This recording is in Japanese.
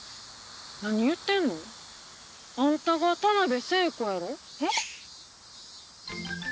何言うてんの？あんたが田辺聖子やろ？え？